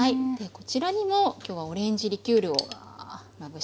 こちらにも今日はオレンジリキュールをまぶしてあります。